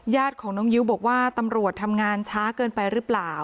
ญาติของน้องยิ้วบอกว่าตำรวจทำงานช้าเกินไปหรือเปล่า